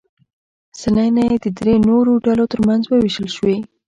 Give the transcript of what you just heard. سلنه یې د درې نورو ډلو ترمنځ ووېشل شوې.